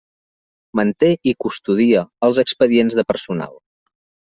Manté i custodia els expedients de personal.